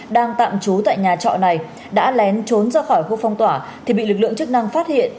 đang tạm trú tại nhà trọ này đã lén trốn ra khỏi khu phong tỏa thì bị lực lượng chức năng phát hiện